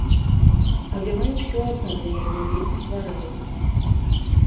Але мы ўсё адно за яе вельмі хварэем.